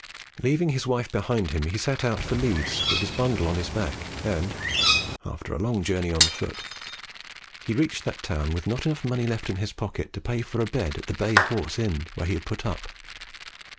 Leaving his wife behind him, he set out for Leeds with his bundle on his back, and after a long journey on foot, he reached that town with not enough money left in his pocket to pay for a bed at the Bay Horse inn, where he put up.